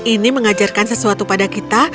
ini mengajarkan sesuatu pada kita